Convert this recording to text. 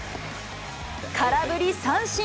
空振り三振。